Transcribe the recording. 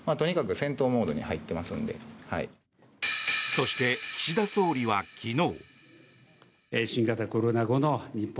そして、岸田総理は昨日。